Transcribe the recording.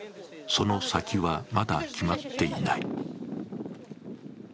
その先は、まだ決まっていない。